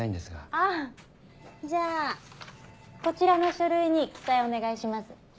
あぁじゃあこちらの書類に記載お願いします。